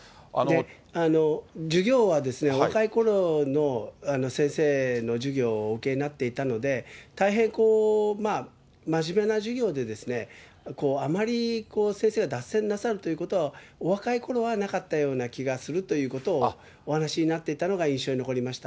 授業はお若いころの先生の授業をお受けになっていたので、大変、真面目な授業で、あまり先生が脱線なさるということは、お若いころはなかったような気がするということをお話しになっていたのが印象に残りました。